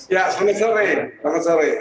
ya selamat sore